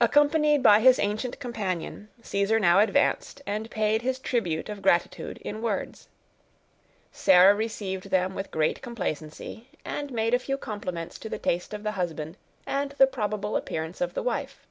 Accompanied by his ancient companion, Caesar now advanced, and paid his tribute of gratitude in words. Sarah received them with great complacency, and made a few compliments to the taste of the husband, and the probable appearance of the wife.